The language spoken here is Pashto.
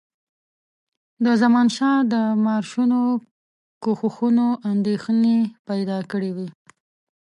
د زمانشاه د مارشونو کوښښونو اندېښنې پیدا کړي وې.